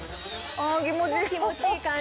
あ気持ちいい。